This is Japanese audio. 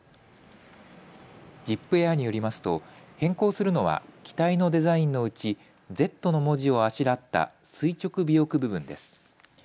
ジップエアによりますと変更するのは機体のデザインのうち、Ｚの文字をあしらった垂直尾翼部分です。